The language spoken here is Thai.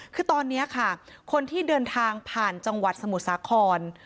คือตอนนี้ค่ะคนที่เดินทางผ่านจังหวัดสมุทรสาคร